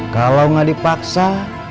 kalau nggak dipaksa